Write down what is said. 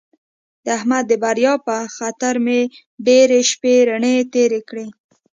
د احمد د بریا په خطر مې ډېرې شپې رڼې تېرې کړې.